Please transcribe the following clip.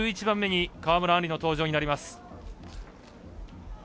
１１番目に川村あんりの登場になります。